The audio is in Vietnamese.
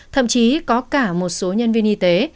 thậm chí có cả một số nhân viên y tế